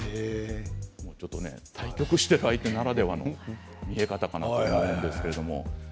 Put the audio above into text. ちょっと対局している相手ならではの見え方かなと思うんですけれども。